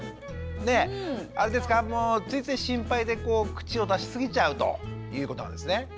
ねっあれですかついつい心配で口を出しすぎちゃうということなんですね？